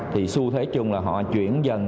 thì xu thế chung là họ chuyển dần